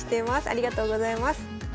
ありがとうございます。